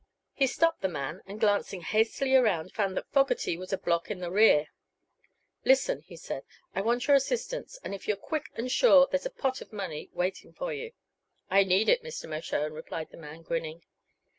He stopped the man, and glancing hastily around found that Fogerty was a block in the rear. "Listen," he said; "I want your assistance, and if you're quick and sure there is a pot of money, waiting for you." "I need it, Mr. Mershone," replied the man, grinning.